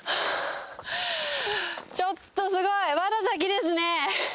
ちょっとすごい、まだ先ですね。